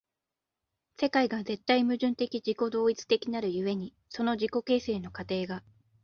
世界が絶対矛盾的自己同一的なる故に、その自己形成の過程が